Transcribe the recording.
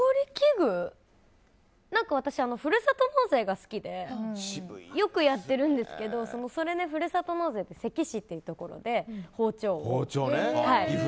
私、ふるさと納税が好きでよくやってるんですけどそれで、ふるさと納税で関市というところで包丁を。